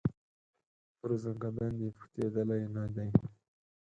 پر زکندن دي پوښتېدلی نه دی